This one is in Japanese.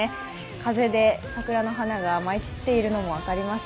風で桜の花が舞い散っているのも分かります。